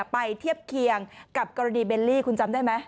เทียบเคียงกับกรณีเบลลี่คุณจำได้ไหม